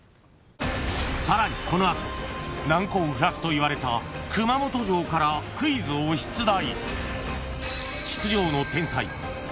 ［さらにこの後難攻不落といわれた熊本城からクイズを出題］